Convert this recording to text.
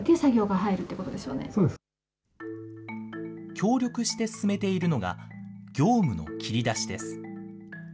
協力して進めているのが、業務の切り出しです。